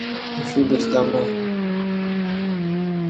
اُوشُپ ستہ امو